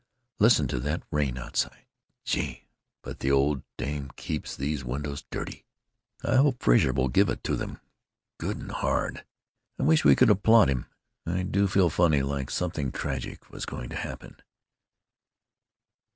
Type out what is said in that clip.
Listen to that rain outside. Gee! but the old dame keeps these windows dirty. I hope Frazer will give it to them good and hard. I wish we could applaud him. I do feel funny, like something tragic was going to happen."